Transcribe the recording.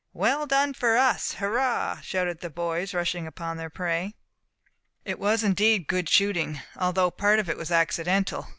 "Well done for us! Hurra!" shouted the boys, rushing upon their prey. It was indeed good shooting, although part of it was accidental.